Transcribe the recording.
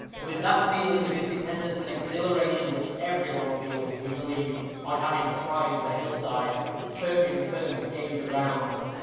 With that feeling of independence and exhilaration which every one feels, we believe, on having climbed the hill side, Turpin turned to gaze around.